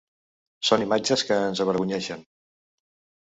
Són imatges que ens avergonyeixen.